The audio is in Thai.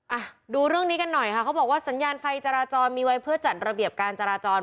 อ่ะดูเรื่องนี้กันหน่อยค่ะเขาบอกว่าสัญญาณไฟจราจรมีไว้เพื่อจัดระเบียบการจราจร